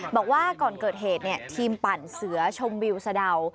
บอกว่าก่อนเกิดเหตุทีมปั่นเสือชมวิวสะเดา